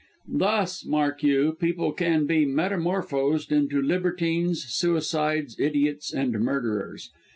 Thus mark you people can be metamorphosed into libertines, suicides, idiots and murderers.